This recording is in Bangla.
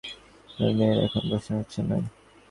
আপনার মেয়ের এখন বয়স হচ্ছে নয়।